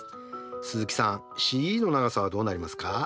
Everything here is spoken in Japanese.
鈴木さんＣＥの長さはどうなりますか？